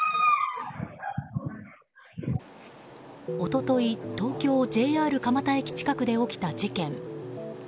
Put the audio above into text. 一昨日東京・ＪＲ蒲田駅近くで起きた事件。